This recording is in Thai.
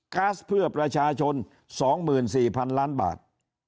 ๊าซเพื่อประชาชน๒๔๐๐๐ล้านบาท